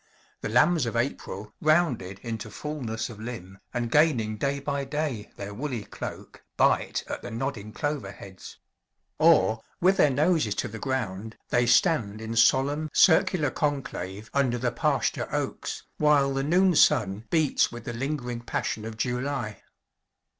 The lambs of April, rounded into fulness of limb, and gaining day by day their woolly cloak, bite at the nodding clover heads; or, with their noses to the ground, they stand in solemn, circular conclave under the pasture oaks, while the noon sun beats with the lingering passion of July.